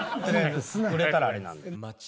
売れたらあれなんで。